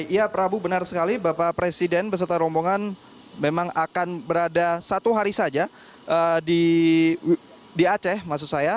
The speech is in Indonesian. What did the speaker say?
ya prabu benar sekali bapak presiden beserta rombongan memang akan berada satu hari saja di aceh maksud saya